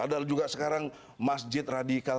ada juga sekarang masjid radikal